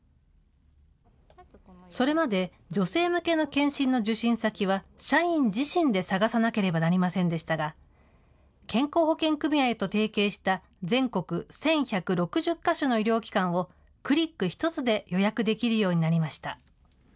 それまで女性向けの検診の受診先は社員自身で探さなければなりませんでしたが、健康保険組合と提携した全国１１６０か所の医療機関をクリック１つで予約できるようになりました。